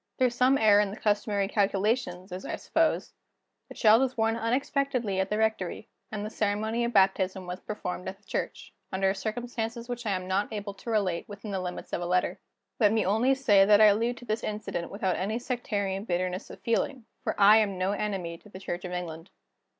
Through some error in the customary calculations, as I suppose, the child was born unexpectedly at the rectory; and the ceremony of baptism was performed at the church, under circumstances which I am not able to relate within the limits of a letter: Let me only say that I allude to this incident without any sectarian bitterness of feeling for I am no enemy to the Church of England.